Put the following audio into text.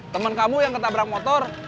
teman kamu yang ketabrak motor